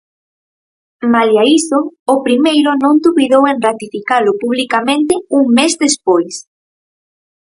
Malia iso, o primeiro non dubidou en ratificalo publicamente un mes despois.